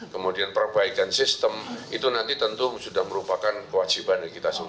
kemudian perbaikan sistem itu nanti tentu sudah merupakan kewajiban dari kita semua